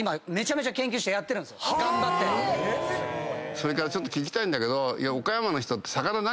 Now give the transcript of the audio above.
それからちょっと聞きたいんだけど。